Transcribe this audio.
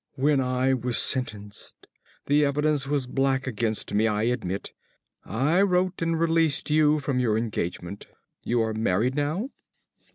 ~ When I was sentenced the evidence was black against me, I admit I wrote and released you from your engagement. You are married now?